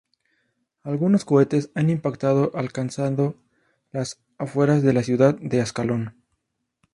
Algunos cohetes han impactado alcanzado las afueras de la ciudad de Ascalón.